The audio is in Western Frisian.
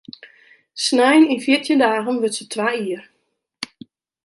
Snein yn fjirtjin dagen wurdt se twa jier.